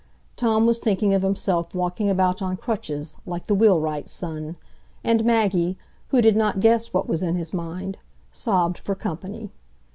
Tom was thinking of himself walking about on crutches, like the wheelwright's son; and Maggie, who did not guess what was in his mind, sobbed for company.